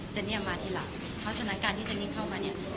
เนี่ยมาทีหลังเพราะฉะนั้นการที่เจนี่เข้ามาเนี่ย